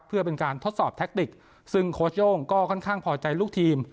เพื่อเป็นการทดสอบแทคติกซึ่งโค้ชโย่งก็ค่อนข้างพอใจลูกทีม